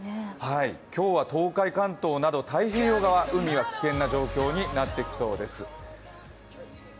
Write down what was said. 今日は東海、関東など海が危険な状況になってきそうです。